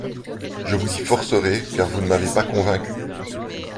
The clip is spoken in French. Je vous y forcerai, car vous ne m'avez pas convaincu.